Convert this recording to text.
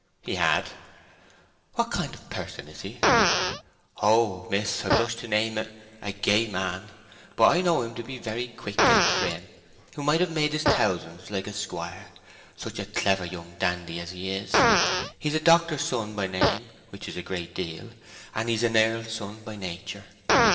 "He had." "What kind of a person is he?" "Oh! miss—I blush to name it—a gay man! But I know him to be very quick and trim, who might have made his thousands, like a squire. Such a clever young dandy as he is! He's a doctor's son by name, which is a great deal; and he's an earl's son by nature!"